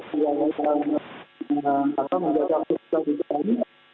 atau menjaga pusat perbelanjaan